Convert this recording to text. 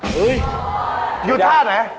เฮ้ยอยู่ท่าไหน